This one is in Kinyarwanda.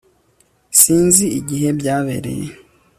sinzi igihe byabereye